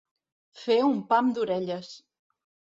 Fer un pam d'orelles.